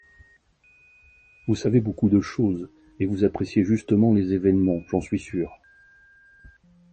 Vous savez beaucoup de choses, et vous appréciez justement les événements, j'en suis sûr.